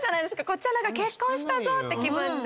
こっちは結婚したぞって気分で。